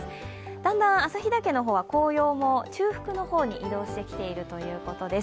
だんだん旭岳の方は紅葉も中腹のほうに移動してきているということです。